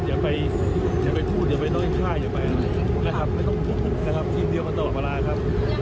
อย่าไปพูดอย่าไปโดยค่าอย่าไปอะไรนะครับไม่ต้องพูดนะครับทีเดียวมันต้องเวลาครับ